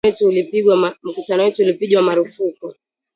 Mkutano wetu ulipigwa marufuku